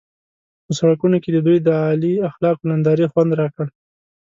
په سړکونو کې د دوی د اعلی اخلاقو نندارې خوند راکړ.